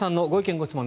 ・ご質問